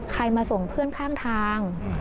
มาส่งเพื่อนข้างทาง